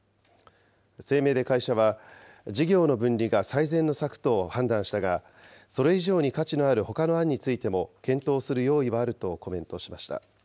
声明で会社は、事業の分離が最善の策と判断したが、それ以上に価値のあるほかの案についても検討する用意はあるとコメントしました。